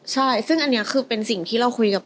ใช่ซึ่งอันนี้คือเป็นสิ่งที่เราคุยกับ